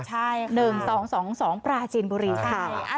ใช่๑๒๒๒ปราจีนบุรีค่ะ